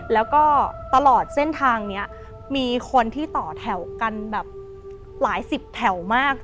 แล้วก็ตลอดเส้นทางนี้มีคนที่ต่อแถวกันแบบหลายสิบแถวมาก